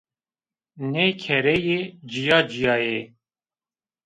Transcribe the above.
Nê kerreyî cîya-cîya yê